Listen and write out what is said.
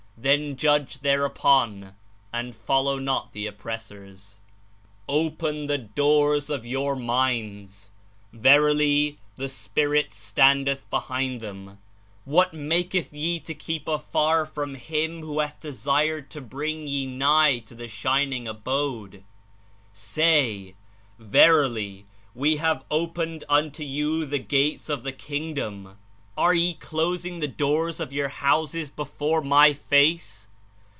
Then judge thereupon and follow not the oppressors. > "Open the doors of your minds: verily, the Spirit standeth behind them. What maketh ye to keep afar from Him who hath desired to bring ye nigh to the Shining Abode? Say: Verily, We have opened unto you the Gates of the Kingdom; are ye closing the door of your houses before My Face?